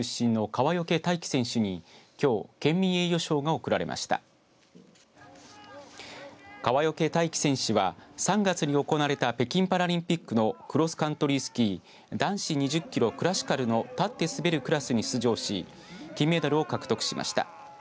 川除大輝選手は３月に行われた北京パラリンピックのクロスカントリースキー男子２０キロクラシカルの立って滑るクラスに出場し金メダルを獲得しました。